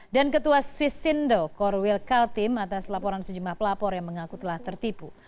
dan ketua swissindo corwil kaltim atas laporan sejumlah pelapor yang mengaku telah tertipu